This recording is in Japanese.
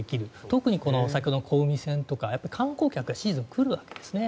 特にこの先ほどの小海線とか観光客がシーズンに来るわけですね。